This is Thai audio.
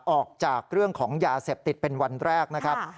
ออกจากเรื่องของยาเสพติดเป็นวันแรกนะครับ